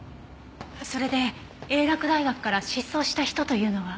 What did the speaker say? それで英洛大学から失踪した人というのは？